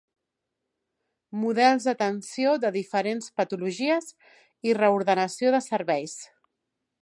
Models d'atenció de diferents patologies i reordenació de serveis.